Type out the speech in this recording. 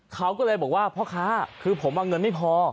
เขาก็เลยบอกว่าพ่อค้าคือผมเงินไม่พอ